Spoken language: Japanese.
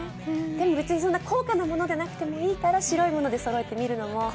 でも別にそんな効果なものでもなくてもいいから白いものでそろえてみるのも。